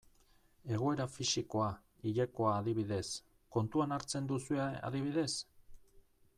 Egoera fisikoa, hilekoa, adibidez, kontuan hartzen duzue adibidez?